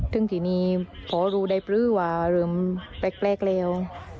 ถึงทีนี้พอรู้ได้ปรือว่าเริ่มแปลกแล้ว